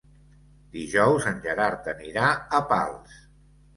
Dijous en Gerard anirà a Pals.